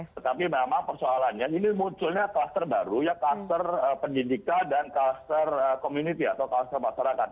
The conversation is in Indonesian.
tetapi memang persoalannya ini munculnya kluster baru ya kluster pendidikan dan kluster community atau kluster masyarakat